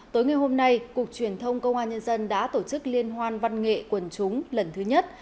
tối ngày hôm nay cục truyền thông công an nhân dân đã tổ chức liên hoan văn nghệ quần chúng lần thứ nhất